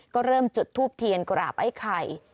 ก็เริ่มจุดทูบเทียนกราบไอ้ไข่